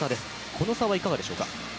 この差はいかがでしょうか？